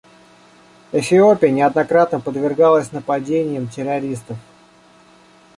Эфиопия неоднократно подвергалась нападениям террористов.